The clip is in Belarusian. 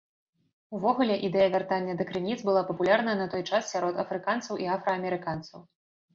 Увогуле, ідэя вяртання да крыніц была папулярная на той час сярод афрыканцаў і афраамерыканцаў.